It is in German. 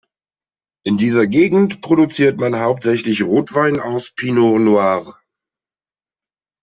In dieser Gegend produziert man hauptsächlich Rotwein aus Pinot Noir.